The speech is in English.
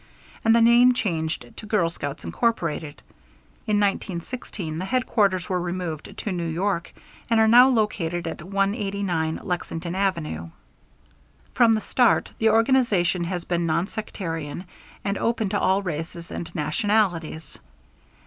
and the name changed to Girl Scouts, Incorporated. In 1916 the headquarters were removed to New York, and are now located at 189 Lexington Avenue. From the start the organization has been nonsectarian and open to all races and nationalities.